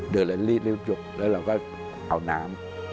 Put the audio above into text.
เดินแล้วรีบยกแล้วเราก็เอาน้ำ